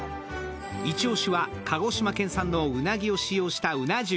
イチオシは鹿児島県産のうなぎを使用したうな重。